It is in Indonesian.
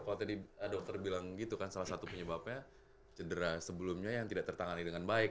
kalau tadi dokter bilang gitu kan salah satu penyebabnya cedera sebelumnya yang tidak tertangani dengan baik